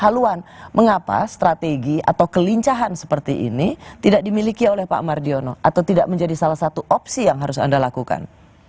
karena itu sudah ada yang mengatakan bahwa ini adalah strategi atau kelincahan seperti ini tidak dimiliki oleh pak mardiono atau tidak menjadi salah satu opsi yang harus anda lakukan